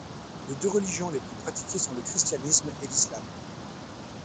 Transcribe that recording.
Les deux religions les plus pratiquées sont le christianisme et l'islam.